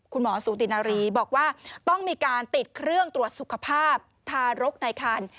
สูตินารีบอกว่าต้องมีการติดเครื่องตรวจสุขภาพทารกในคัน